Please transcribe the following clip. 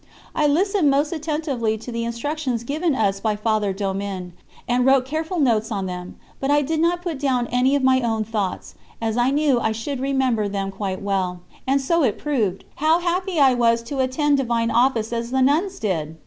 I listened most attentively to the instructions given us by Father Domin, and wrote careful notes on them, but I did not put down any of my own thoughts, as I knew I should remember them quite well. And so it proved. How happy I was to attend Divine Office as the nuns did!